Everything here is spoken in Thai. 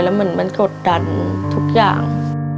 แล้วมันกดดันทุกอย่าง